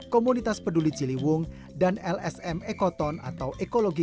komunitas peduli ciliwung dan lsm ekoton atau ekologi